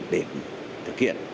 để thực hiện